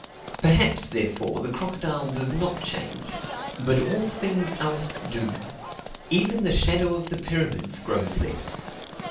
Perhaps, therefore, the crocodile does not change, but all things else do: even the shadow of the pyramids grows less.